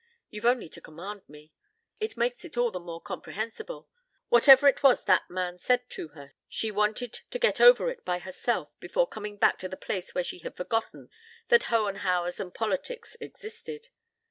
You've only to command me. ... It makes it all the more comprehensible. Whatever it was that man said to her, she wanted to get over it by herself before coming back to the place where she had forgotten that Hohenhauers and politics existed.